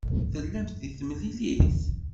Tellamt deg temlilit?